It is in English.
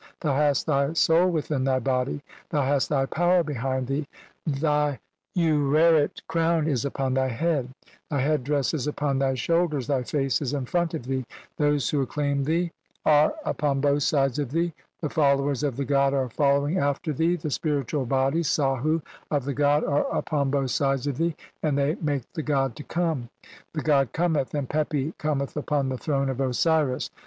Thou hast "thy soul within thy body, (4) thou hast thy power "behind thee, thy ureret crown is upon thy head, (5) "thy head dress is upon thy shoulder[s], thy face is "in front of thee, those who acclaim thee (6) are upon "both sides of thee, the followers of the God are fol lowing after thee, the spiritual bodies (sahn) of the "God are upon both sides of thee, and they (7) make "the God to come ; the God cometh and Pepi com "eth upon the throne of Osiris.